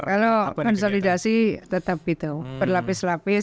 kalau konsolidasi tetap itu berlapis lapis